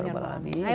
amin ya rabbal alamin